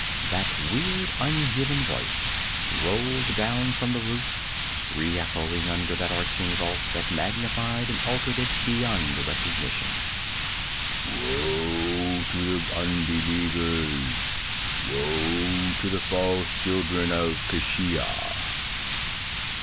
That weird unhuman voice rolled down from the roof, re echoing under that arching vault that magnified and altered it beyond recognition. 'Woe to the unbelievers! Woe to the false children of Keshia!